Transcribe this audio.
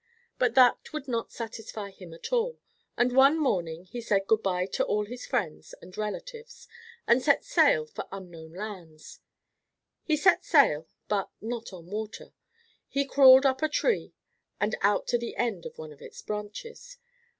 But that would not satisfy him at all, and one morning he said "Good by" to all his friends and relatives, and set sail for unknown lands. He set sail, but not on water. He crawled up a tree, and out to the end of one of its branches.